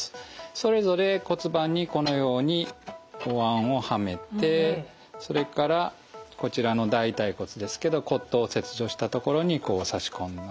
それぞれ骨盤にこのようにおわんをはめてそれからこちらの大腿骨ですけど骨頭を切除した所に差し込みます。